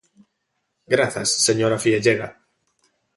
Grazas, señora Fiellega.